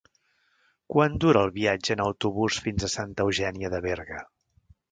Quant dura el viatge en autobús fins a Santa Eugènia de Berga?